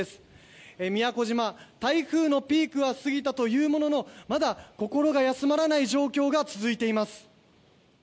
「宮古島市では台風のピークは過ぎたものの気の休まらない状況は続いています」